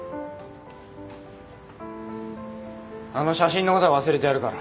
あの写真のことは忘れてやるから。